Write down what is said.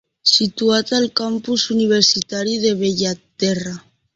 Situat al campus universitari de Bellaterra.